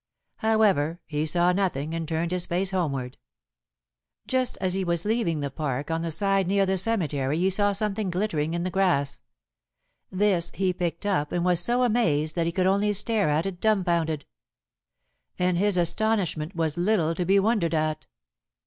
However, he saw nothing and turned his face homeward. Just as he was leaving the park on the side near the cemetery he saw something glittering in the grass. This he picked up, and was so amazed that he could only stare at it dumb founded. And his astonishment was little to be wondered at.